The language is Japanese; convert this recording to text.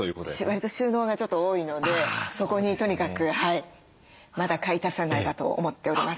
わりと収納がちょっと多いのでそこにとにかくまだ買い足さねばと思っております。